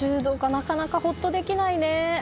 なかなかほっとできないね。